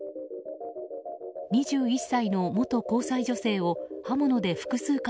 ２１歳の元交際女性は刃物で複数回